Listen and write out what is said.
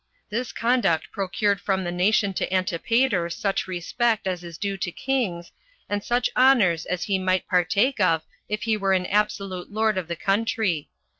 This conduct procured from the nation to Antipater such respect as is due to kings, and such honors as he might partake of if he were an absolute lord of the country.